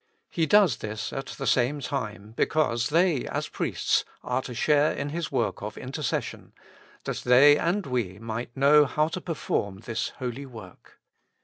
He does this at the same time because they as priests are to share in His work of intercession, that they and we might know how to perform this holy work.